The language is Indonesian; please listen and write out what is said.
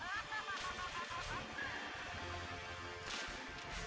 hanya ada satu